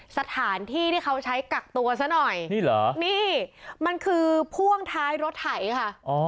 สถานที่ที่เขาใช้กักตัวซะหน่อยนี่เหรอนี่มันคือพ่วงท้ายรถไถค่ะ